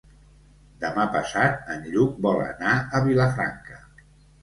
Demà passat en Lluc vol anar a Vilafranca.